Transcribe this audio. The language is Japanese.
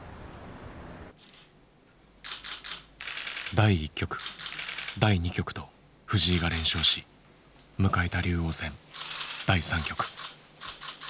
第１局第２局と藤井が連勝し迎えた竜王戦第３局。